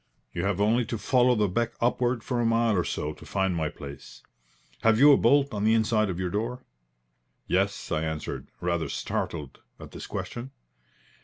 You have only to follow the beck upward for a mile or so to find my place. Have you a bolt on the inside of your door?" "Yes," I answered, rather startled at this question.